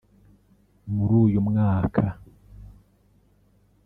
muri uyu mwaka